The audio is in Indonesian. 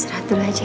serah dulu aja ya